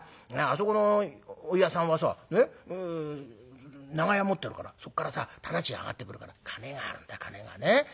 そこのお湯屋さんはさ長屋持ってるからそっからさ店賃あがってくるから金があるんだ金がね。